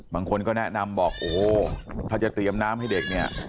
บางคนก็แนะนำบอกโอ้โหถ้าจะเตรียมน้ำให้เด็กเนี่ย